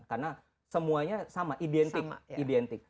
karena semuanya sama identik